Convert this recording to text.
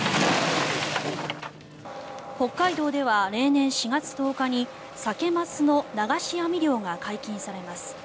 北海道では例年４月１０日にサケ・マスの流し網漁が解禁されます。